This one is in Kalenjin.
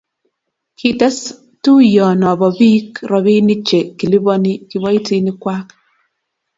kites tuyionoe bo biik robinik che kiliboni kiboitinikwak